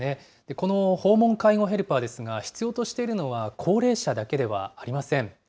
この訪問介護ヘルパーですが、必要としているのは高齢者だけではありません。